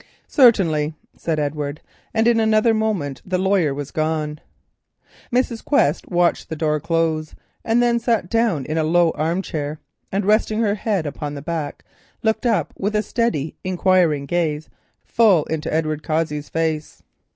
"Certainly," said Edward, and in another moment the lawyer was gone. Mrs. Quest watched the door close and then sat down in a low armchair, and resting her head upon the back, looked up with a steady, enquiring gaze, full into Edward Cossey's face.